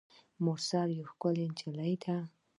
مرسل یوه ښکلي نجلۍ ده.